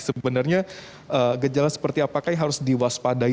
sebenarnya gejala seperti apakah harus diwaspadai